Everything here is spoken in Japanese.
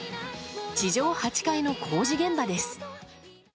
地上８階の工事現場です。